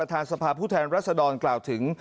รัฐสภาผู้แทนรัทษณรกล่าวถึง